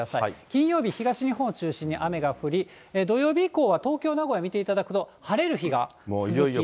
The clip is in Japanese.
金曜日、東日本を中心に雨が降り、土曜日以降は東京、名古屋見ていただくと、晴れる日が続き。